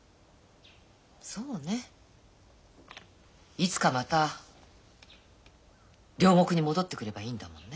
いつかまた両国に戻ってくればいいんだもんね。